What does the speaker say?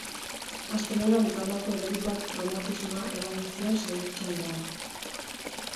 Astelehenean izandako erorikoak traumatismoa eragin zion saihetsaldean.